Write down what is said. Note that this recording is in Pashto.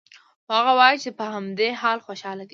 خو هغه وايي چې په همدې حال خوشحال دی